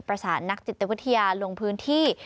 นักจิตวิทยาลงพื้นที่